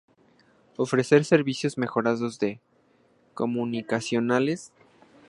Ofrecer servicios mejorados de: Comunicacionales, entre otros, con alto rendimiento y confiabilidad.